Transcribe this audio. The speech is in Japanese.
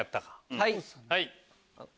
はい！